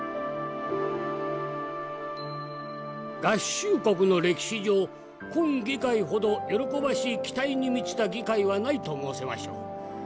「合衆国の歴史上今議会ほど喜ばしい期待に満ちた議会はないと申せましょう。